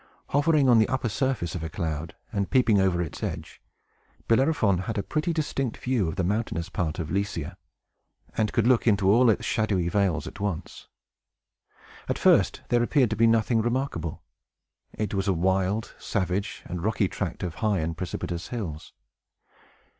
Hovering on the upper surface of a cloud, and peeping over its edge, Bellerophon had a pretty distinct view of the mountainous part of Lycia, and could look into all its shadowy vales at once. At first there appeared to be nothing remarkable. It was a wild, savage, and rocky tract of high and precipitous hills.